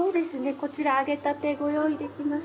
こちら、揚げたてをご用意できます。